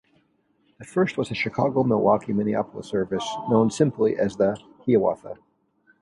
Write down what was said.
The first was a Chicago-Milwaukee-Minneapolis service, known simply as the "Hiawatha".